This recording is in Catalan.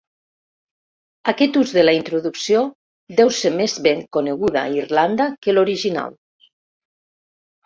Aquest ús de la introducció deu ser més ben coneguda a Irlanda que l'original.